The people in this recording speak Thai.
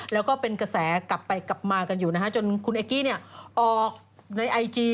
แล้วก็เป็นกระแสกลับไปกลับมากันอยู่นะฮะจนคุณเอกกี้เนี่ยออกในไอจี